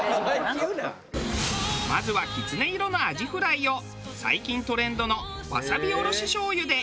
まずはきつね色のアジフライを最近トレンドのわさびおろし醤油で。